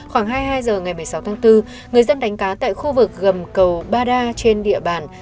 khoảng hai mươi hai h ngày một mươi sáu tháng bốn người dân đánh cá tại khu vực gầm cầu ba đa trên địa bàn